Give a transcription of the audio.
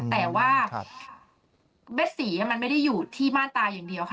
แต่ว่าแม่ศรีมันไม่ได้อยู่ที่ม่านตาอย่างเดียวค่ะ